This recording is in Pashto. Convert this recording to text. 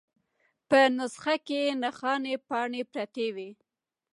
په نسخه کې نښانۍ پاڼې پرتې وې.